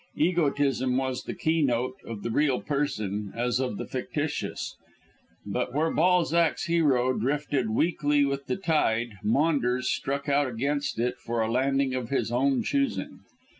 Egotism was the keynote of the real person as of the fictitious; but where Balzac's hero drifted weakly with the tide, Maunders struck out against it for a landing of his own choosing.